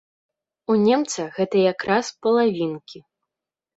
У немца гэта якраз палавінкі.